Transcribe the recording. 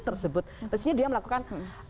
tersebut mestinya dia melakukan